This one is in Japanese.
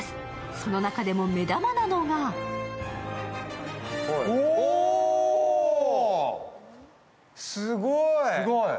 その中でも目玉なのがおおっ、すごい。